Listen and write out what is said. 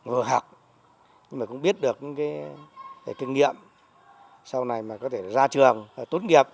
vừa học nhưng mà cũng biết được những cái kinh nghiệm sau này mà có thể ra trường tốt nghiệp